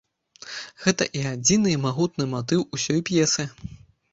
Гэта і адзіны і магутны матыў усёй п'есы.